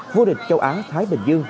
vô địch châu á thái bình dương